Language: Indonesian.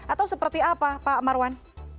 atau seperti apa pak marwan